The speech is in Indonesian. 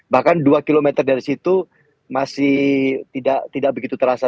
bahkan dua km dari situ masih tidak begitu terasa